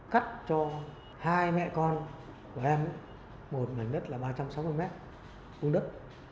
cắt cho hai mẹ con của em một mảnh đất là ba trăm sáu mươi mét